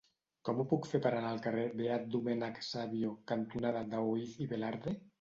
Com ho puc fer per anar al carrer Beat Domènec Savio cantonada Daoíz i Velarde?